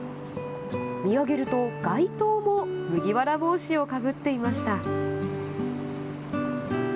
見上げると街灯も、麦わら帽子をかぶっていました。